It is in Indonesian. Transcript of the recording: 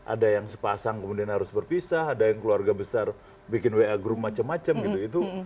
ada yang sepasang kemudian harus berpisah ada yang keluarga besar bikin wa group macam macam gitu